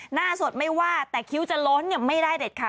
หน้าสดไม่ว่าแต่คิ้วจะล้นไม่ได้เด็ดขาด